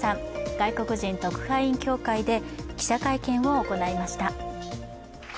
外国人特派員協会で記者会見を行いました。